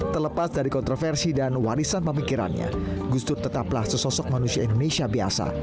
terlepas dari kontroversi dan warisan pemikirannya gus dur tetaplah sesosok manusia indonesia biasa